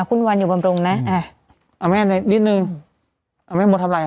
คุณวันอยู่บนปรุงนะเออเอาแม่หน่อยนิดหนึ่งเอาแม่หมดทำอะไรค่ะ